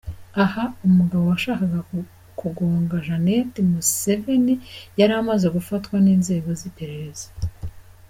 Aha umugabo washakaga kugonga Janet Museveni yari amaze gufatwa n’inzeho z’iperereza.